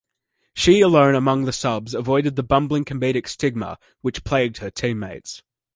She alone among the Subs avoided the bumbling comedic stigma which plagued her teammates.